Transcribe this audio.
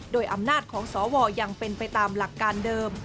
โดยอำนาจของสวยังเป็นไปตามหลักการเดิม